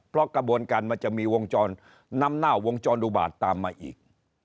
เพราะกระบวนการมันจะมีวงจรนำหน้าวงจรอุบาตตามมาอีก